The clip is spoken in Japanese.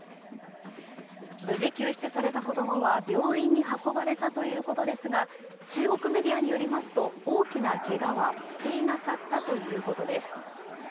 無事、救出された子供は病院に運ばれたということですが中国メディアによりますと大きなけがはしていなかったということです。